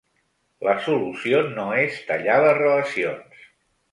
La solució no és tallar les relacions.